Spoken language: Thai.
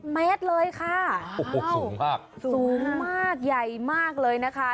เมตรเลยค่ะโอ้โหสูงมากสูงมากใหญ่มากเลยนะคะ